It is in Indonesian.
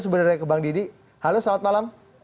sebenarnya ke bang didi halo selamat malam